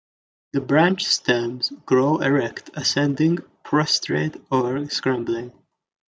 The branched stems grow erect, ascending, prostrate or scrambling.